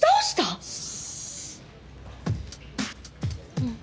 うん。